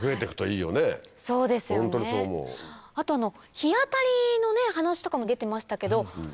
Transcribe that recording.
日当たりの話とかも出てましたけど。